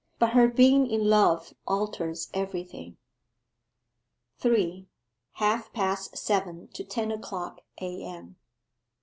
'But her being in love alters everything.' 3. HALF PAST SEVEN TO TEN O'CLOCK A.M.